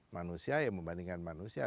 manusia ya membandingkan manusia